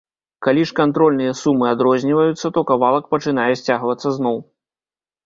Калі ж кантрольныя сумы адрозніваюцца, то кавалак пачынае сцягвацца ізноў.